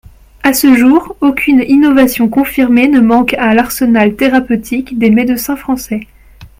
À ce jour, aucune innovation confirmée ne manque à l’arsenal thérapeutique des médecins français.